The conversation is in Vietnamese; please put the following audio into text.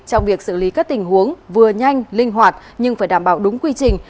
trong việc xử lý các tình huống vừa nhanh linh hoạt nhưng phải đảm bảo đúng quy trình